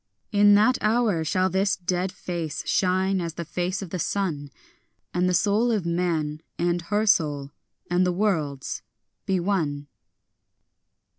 In that hour shall this dead face shine as the face of the sun, And the soul of man and her soul and the world's be one.